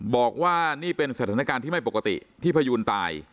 บอกว่านี่เป็นสถานการณ์ที่ไม่ปกติที่พยูนตาย